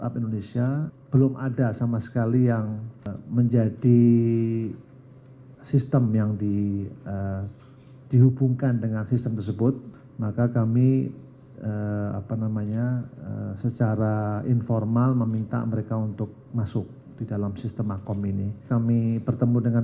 pembelian digitalisasi arab saudi di jawa barat